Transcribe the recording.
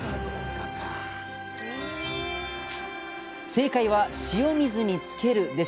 正解は「塩水につける」でした。